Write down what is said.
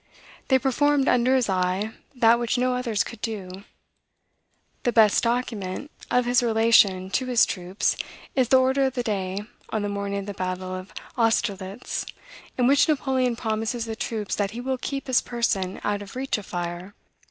They performed, under his eye, that which no others could do. The best document of his relation to his troops is the order of the day on the morning of the battle of Austerlitz, in which Napoleon promises the troops that he will keep his person out of reach of fire.